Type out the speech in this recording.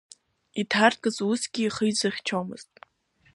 Иҭаркыз усгьы ихы изыхьчомызт.